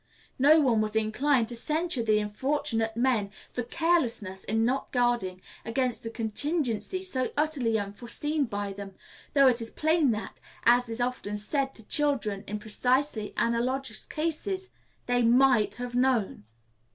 No one was inclined to censure the unfortunate men for carelessness in not guarding against a contingency so utterly unforeseen by them, though it is plain that, as is often said to children in precisely analogous cases, they might have known.